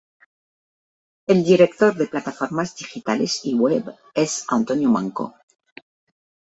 El director de plataformas digitales y web es Antonio Manco.